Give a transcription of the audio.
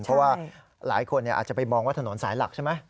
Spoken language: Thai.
เพราะว่าหลายคนอาจจะไปมองว่าถนนสายหลักใช่ไหม